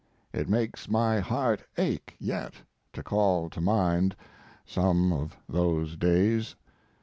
It makes my heart ache yet to call to mind some of those days.